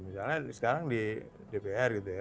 misalnya sekarang di dpr gitu ya